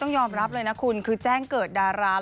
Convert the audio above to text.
ยอมรับเลยนะคุณคือแจ้งเกิดดารา